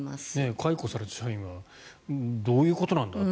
解雇された社員はどういうことなんだと。